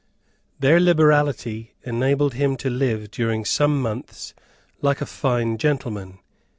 Their liberality enabled him to live during some months like a fine gentleman.